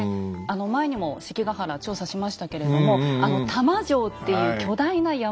前にも関ヶ原調査しましたけれども「玉城」っていう巨大な山城が見つかって。